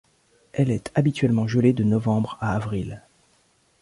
Elle est habituellement gelée de novembre à avril.